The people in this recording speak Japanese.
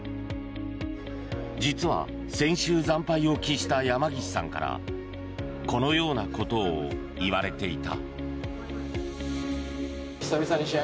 実は先週、惨敗を喫した山岸さんからこのようなことを言われていた。